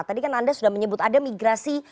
tadi kan anda sudah menyebut ada migrasi